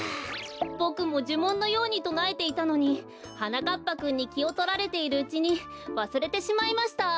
ボクもじゅもんのようにとなえていたのにはなかっぱくんにきをとられているうちにわすれてしまいました！